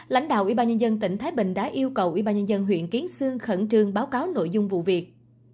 lãnh đạo ubnd tỉnh thái bình đã yêu cầu ubnd huyện kiến sương khẩn trương báo cáo nội dung vụ việc